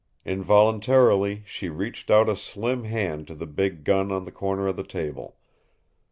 Involuntarily she reached out a slim hand to the big gun on the corner of the table.